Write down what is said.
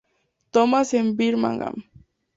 Thomas en Birmingham.